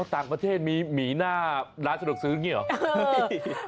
ต่างประเทศมีหมีหน้าร้านสะดวกซื้ออย่างนี้หรอ